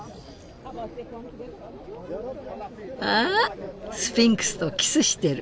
あスフィンクスとキスしてる。